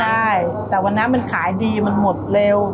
ใช่แต่วันนั้นมันขายดีมันหมดเร็ว